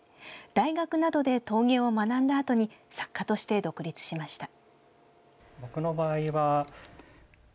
大学などで陶芸を学んだあとに作家として独立しました。